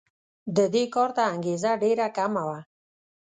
د دې کار ته انګېزه ډېره کمه وه.